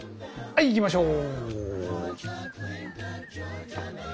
はいいきましょう！